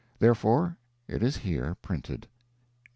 Therefore it is here printed.